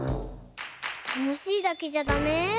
たのしいだけじゃダメ？